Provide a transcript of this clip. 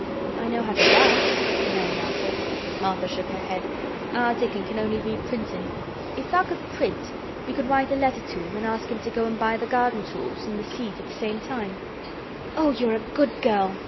"I know how to write," Mary answered. Martha shook her head. "Our Dickon can only read printin'. If tha' could print we could write a letter to him an' ask him to go an' buy th' garden tools an' th' seeds at th' same time." "Oh! you're a good girl!"